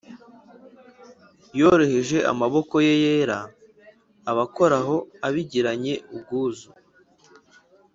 yoroheje amaboko ye yera abakoraho, abigiranye ubwuzu;